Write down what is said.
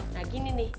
nah gini nih